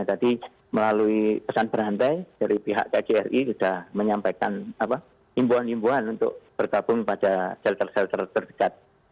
jadi melalui pesan berhantai dari pihak kjri sudah menyampaikan himbawan himbawan untuk bergabung pada shelter shelter terdekat